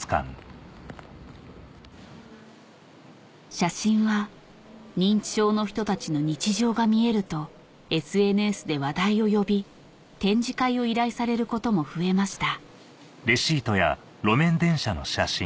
写真は認知症の人たちの日常が見えるとＳＮＳで話題を呼び展示会を依頼されることも増えました